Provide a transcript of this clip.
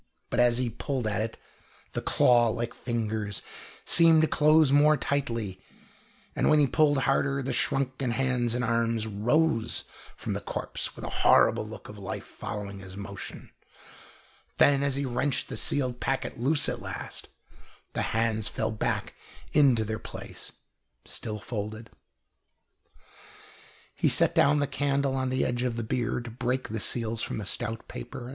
But as he pulled at it the claw like fingers seemed to close more tightly, and when he pulled harder the shrunken hands and arms rose from the corpse with a horrible look of life following his motion then as he wrenched the sealed packet loose at last, the hands fell back into their place still folded. He set down the candle on the edge of the bier to break the seals from the stout paper.